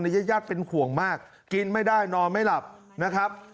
ญาติญาติเป็นห่วงมากกินไม่ได้นอนไม่หลับนะครับ